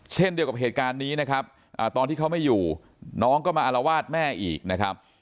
เช่นเดียวกับเหตุการณ์นี้นะครับตอนที่เขาไม่อยู่น้องก็มาอารวาสแม่อีกนะครับ